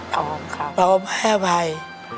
พร้อมให้อภัย